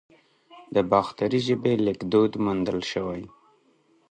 د باختري ژبې لیکدود موندل شوی